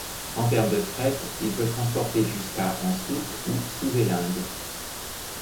En termes de fret, il peut transporter jusqu'à en soute ou sous élingue.